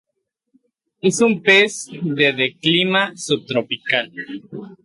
Es un pez de de clima subtropical.